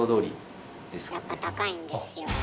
やっぱ高いんですよ。